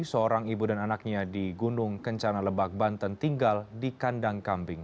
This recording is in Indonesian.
seorang ibu dan anaknya di gunung kencana lebak banten tinggal di kandang kambing